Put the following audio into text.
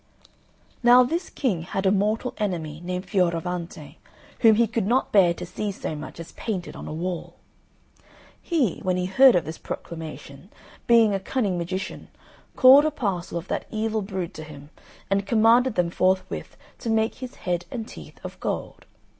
Now this King had a mortal enemy named Fioravante, whom he could not bear to see so much as painted on a wall. He, when he heard of this proclamation, being a cunning magician, called a parcel of that evil brood to him, and commanded them forthwith to make his head and teeth of gold.